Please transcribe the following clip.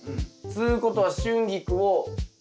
つうことはシュンギクを前にして。